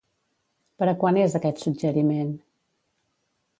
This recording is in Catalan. Per a quan és aquest suggeriment?